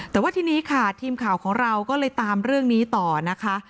แต่ว่าทีนี้ค่ะทีมข่าวของเราก็เลยตามเรื่องนี้ต่อนะคะ